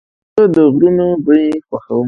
زه د غرونو بوی خوښوم.